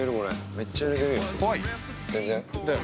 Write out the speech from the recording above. めっちゃ揺れてるよ。